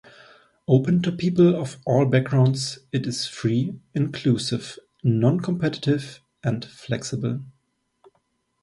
Open to people of all backgrounds, it is free, inclusive, non-competitive and flexible.